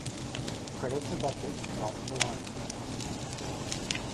Credits adapted from the liner notes.